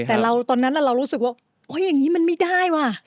แต่ตอนนั้นเรารู้สึกว่าเฮ้ยอย่างนี้มันไม่ได้ว่ะ